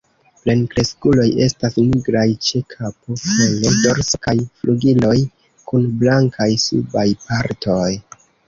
Plenkreskuloj estas nigraj ĉe kapo, kolo, dorso kaj flugiloj kun blankaj subaj partoj.